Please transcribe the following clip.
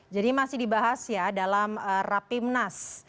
jadi masih dibahas ya dalam rapimnas